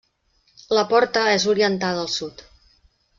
La porta és orientada al sud.